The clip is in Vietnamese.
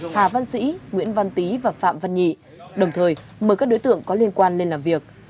hà văn sĩ nguyễn văn tý và phạm văn nhị đồng thời mời các đối tượng có liên quan lên làm việc